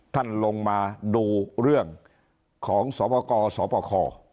ท่านลงมาดูเรื่องของสวกสปค